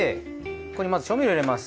ここにまず調味料入れます。